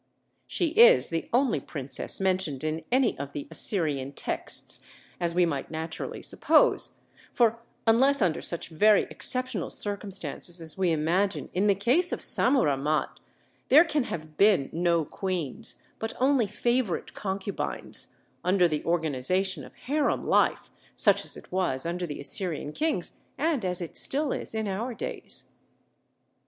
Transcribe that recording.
She is the only princess mentioned in any of the Assyrian texts, as we might naturally suppose; for unless under such very exceptional circumstances as we imagine in the case of Sammuramat, there can have been no queens, but only favorite concubines, under the organization of harem life, such as it was under the Assyrian kings, and as it still is in our days.